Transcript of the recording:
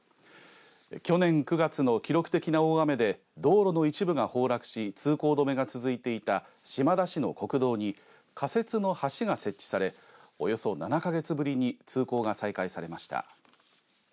去年９月の記録的な大雨で道路の一部が崩落し通行止めが続いていた島田市の国道に仮設の橋が設置されおよそ７か月ぶりに通行が再開されました。